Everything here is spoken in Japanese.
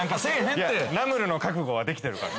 いやナムルの覚悟はできてるから。